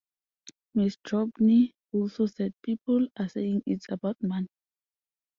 Ms. Drobny also said, People are saying it's about money.